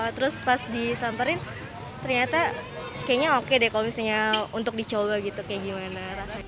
terus pas disamperin ternyata kayaknya oke deh kalau misalnya untuk dicoba gitu kayak gimana rasanya